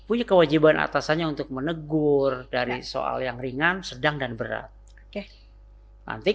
punya kewajiban atasannya untuk menegur dari soal yang ringan sedang dan berat oke nanti